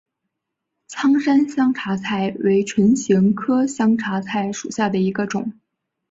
苍山香茶菜为唇形科香茶菜属下的一个种。